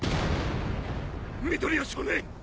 緑谷少年！